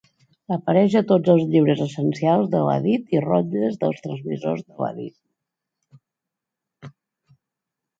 Apareix a tots els llibres essencials del hadit i rotlles dels transmissors del hadit.